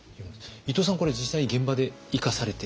伊藤さんこれ実際現場で生かされている？